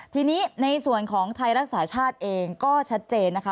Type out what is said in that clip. ทีนี้ในส่วนของไทยรักษาชาติเองก็ชัดเจนนะคะ